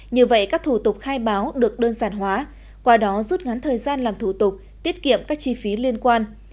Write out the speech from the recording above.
như vậy các thủ tục khai báo được đơn giản hóa qua đó rút ngắn thời gian làm thủ tục tiết kiệm các chi phí liên quan